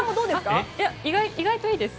意外といいです。